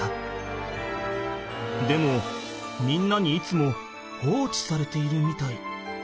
でもみんなにいつも放置されているみたい。